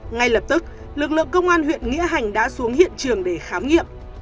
ngay lập tức lực lượng công an huyện nghĩa hành đã xuống hiện trường để khám nghiệm